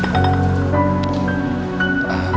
kalau bisa mikirnya jangan lama lama